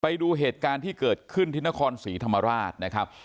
ไปดูเหตุการณ์ที่เกิดขึ้นที่นครศรีธรรมราชนะครับ